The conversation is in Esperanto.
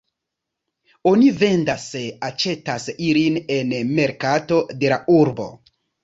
Oni vendas-aĉetas ilin en merkato de la urbo.